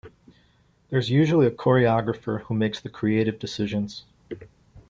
There is usually a choreographer who makes the creative decisions.